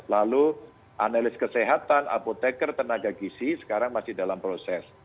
lalu analis kesehatan apoteker tenaga gisi sekarang masih dalam proses